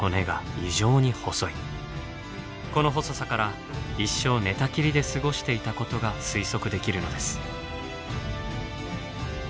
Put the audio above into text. この細さから一生寝たきりで過ごしていたことが推測できるのです。